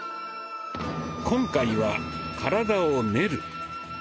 今回は「体を練る」。